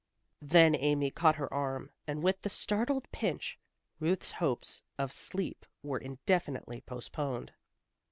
Then Amy caught her arm and with the startled pinch, Ruth's hopes of sleep were indefinitely postponed.